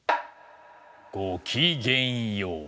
ごきげんよう。